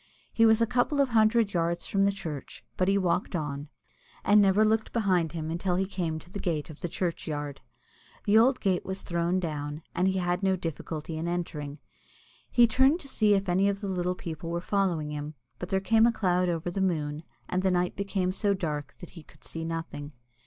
He was a couple of hundred yards from the church, but he walked on, and never looked behind him until he came to the gate of the churchyard. The old gate was thrown down, and he had no difficulty in entering. He turned then to see if any of the little people were following him, but there came a cloud over the moon, and the night became so dark that he could see nothing.